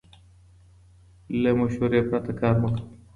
له مشورې پرته کار مه کوئ.